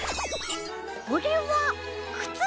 これはくつだね！